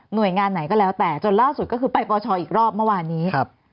โดยงานไหนก็แล้วแต่จนล่าสุดก็คือไปปชอีกรอบเมื่อวานนี้